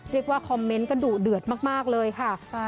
เรียกว่าคอมเมนต์ก็ดุเดือดมากเลยค่ะ